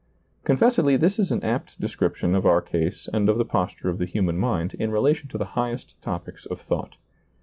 Confessedly this is an apt description of our case and of the posture of the human mind, in relation to the highest topics of thought.